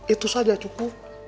itu saja cukup